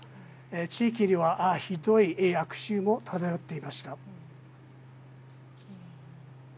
地域にはひどい悪臭も漂っていました。